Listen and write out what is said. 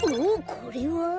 これは。